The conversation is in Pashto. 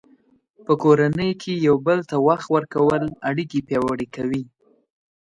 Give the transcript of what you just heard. په کورنۍ کې یو بل ته وخت ورکول اړیکې پیاوړې کوي.